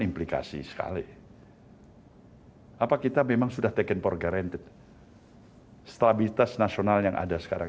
implikasi sekali apa kita memang sudah taken for guaranted stabilitas nasional yang ada sekarang